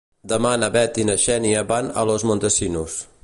Demà na Bet i na Xènia van a Los Montesinos.